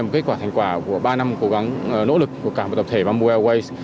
kết quả thành quả của ba năm cố gắng nỗ lực của cả một tập thể bamboo airways